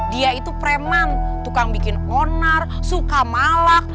dia itu preman tukang bikin onar suka malak